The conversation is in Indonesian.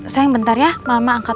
sayang bentar ya mama angkat